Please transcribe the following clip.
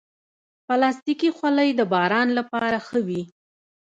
پلاستيکي خولۍ د باران لپاره ښه وي.